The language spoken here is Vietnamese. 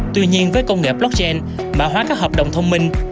tuy nhiên với công nghệ blockchain mã hóa các hợp đồng thông minh